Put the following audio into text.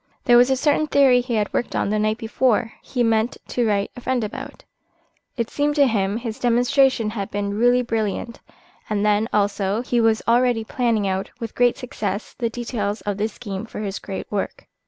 There was a certain theory he had worked on the night before he meant to write to a friend about. It seemed to him his demonstration had been really brilliant, and then, also, he was already planning out with great success the details of the scheme for his great work.